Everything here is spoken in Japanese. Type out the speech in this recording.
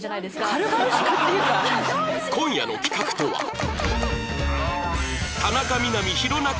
今夜の企画とは